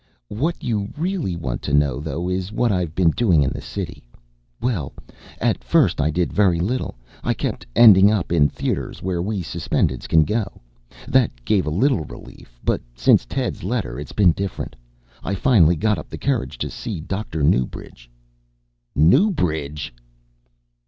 "What you really want to know, though, is what I've been doing in the city. Well, at first I did very little. I kept ending up in theatres where we Suspendeds can go. That gave a little relief. But since Ted's letter it's been different. I finally got up the courage to see Dr. Newbridge." "Newbridge!"